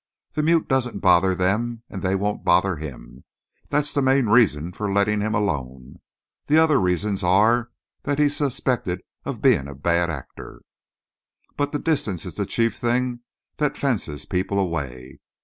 The mute doesn't bother them and they won't bother him. That's the main reason for letting him alone. The other reasons are that he's suspected of being a bad actor. But the distance is the chief thing that fences people away.